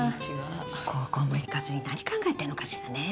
高校も行かずに何考えてるのかしらね？